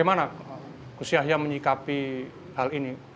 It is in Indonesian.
dia anggap tidak sensitif ketika momennya itu tidak sensitif